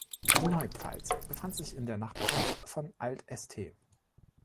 Die neue Pfalz befand sich in der Nachbarschaft von Alt-St.